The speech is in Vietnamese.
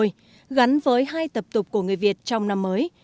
cuối năm mua vôi gắn với hai tập tục của người việt trong năm mới